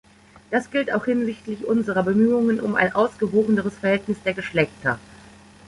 Das gilt auch hinsichtlich unserer Bemühungen um ein ausgewogeneres Verhältnis der Geschlechter.